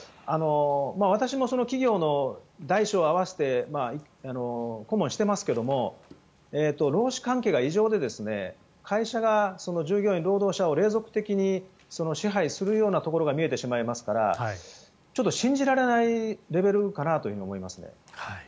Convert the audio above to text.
私も企業の大小合わせて顧問していますけど労使関係が異常で会社が従業員、労働者を隷属的に支配するようなところが見えてしまいますからちょっと信じられないレベルかなと思いますね。